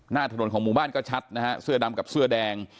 หน้าถนนของหมู่บ้านก็ชัดนะฮะเสื้อดำกับเสื้อแดง